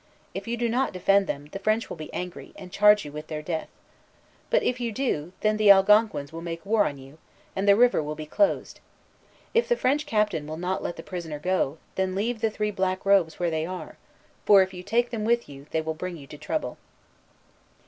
If you do not defend them, the French will be angry, and charge you with their death. But if you do, then the Algonquins will make war on you, and the river will be closed. If the French captain will not let the prisoner go, then leave the three black robes where they are; for, if you take them with you, they will bring you to trouble."